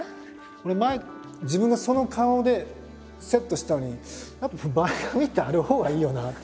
俺自分がその顔でセットしてたのにやっぱ前髪ってあるほうがいいよなって。